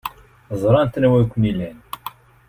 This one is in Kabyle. Ẓrant anwa ay ken-ilan.